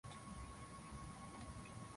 aalam hao walikwenda mbali zaidi